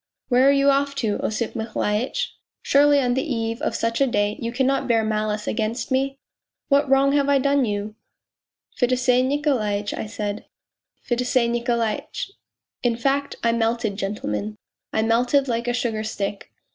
' Where are you off to, Osip Mihailitch ? Surely on the eve of such a day you cannot bear malice against me ? What wrong have I done you ?...'' Fedosey Niko laitch,' I said, ' Fedosey Nikolaitch ...' In fact, I melted, gentlemen, I melted like a sugar stick.